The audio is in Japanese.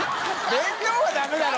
弁当はダメだろ。